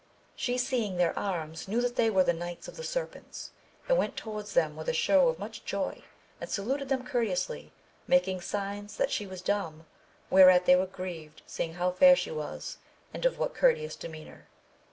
She seeing their arms knew that they were the Knights of the Serpents, and went towards them with a shew of much joy, and saluted them courteously, making signs that she was dumb, whereat they were grieved seeing how fair she AMADIS OF GAUL 221 was, and of what courteous demeanour.